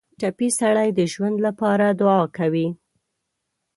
ټپي سړی د ژوند لپاره دعا کوي.